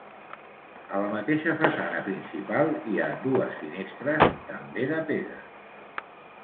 A la mateixa façana principal hi ha dues finestres també de pedra.